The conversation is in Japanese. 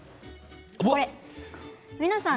皆さん